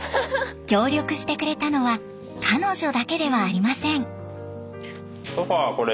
協力してくれたのは彼女だけではありません。